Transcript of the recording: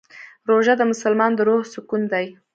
روژه د مسلمان د روح سکون دی.